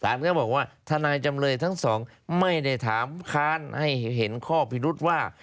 ก็บอกว่าทนายจำเลยทั้งสองไม่ได้ถามค้านให้เห็นข้อพิรุษว่า